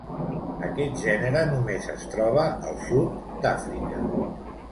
Aquest gènere només es troba al sud d'Àfrica.